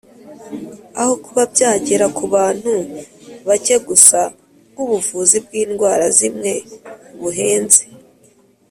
aho kuba byagera ku bantu bake gusa nk'ubuvuzi bw'indwara zimwe buhenze.